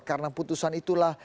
karena putusan itulah